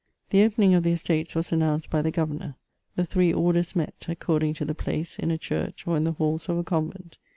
The opening of the Estates was announced by the governor. The three orders met, according to the place, in a church or in the halls of a convent.